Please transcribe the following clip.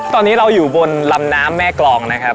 ตอนนี้เราอยู่บนลำน้ำแม่กรองนะครับ